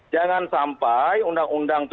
jangan sampai undang undang tujuh belas